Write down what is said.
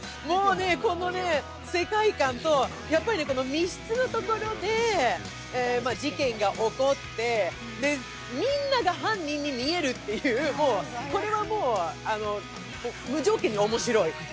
もうね、この世界観と、やっぱり密室のところで事件が起こって、みんなが犯人に見えるっていう、これはもう無条件に面白い。